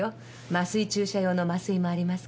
麻酔注射用の麻酔もありますから。